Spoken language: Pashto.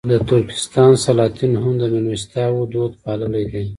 د ترکستان سلاطینو هم د مېلمستیاوو دود پاللی دی.